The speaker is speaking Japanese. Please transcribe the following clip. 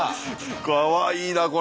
かわいいなこれ。